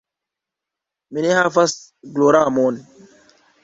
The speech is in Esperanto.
Mi ne havas gloramon.